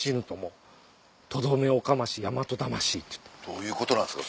どういうことなんですか？